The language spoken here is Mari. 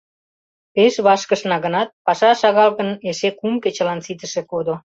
Пеш вашкышна гынат, паша шагал гын эше кум кечылан ситыше кодо.